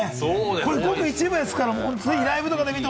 これごく一部ですから。